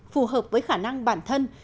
phù hợp với khả năng bản thân